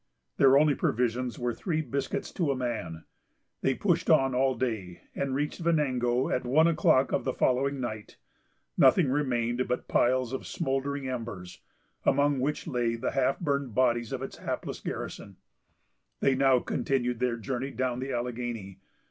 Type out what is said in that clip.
Their only provisions were three biscuits to a man. They pushed on all day, and reached Venango at one o'clock of the following night. Nothing remained but piles of smouldering embers, among which lay the half burned bodies of its hapless garrison. They now continued their journey down the Alleghany.